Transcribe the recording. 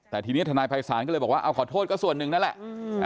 แต่ทีนี้ทนายภัยศาลก็เลยบอกว่าเอาขอโทษก็ส่วนหนึ่งนั่นแหละ